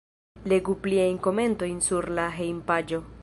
Legu pliajn komentojn sur la hejmpaĝo.